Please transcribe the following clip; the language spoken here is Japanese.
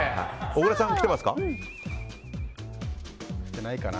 小倉さん、来てますか？